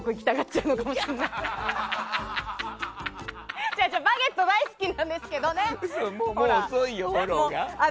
違う違う、「バゲット」大好きなんですけどね。